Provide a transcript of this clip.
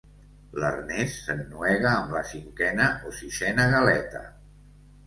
L'Ernest s'ennuega amb la cinquena o sisena galeta.